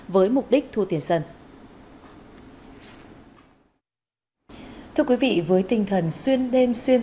với mục đích thu tiền sân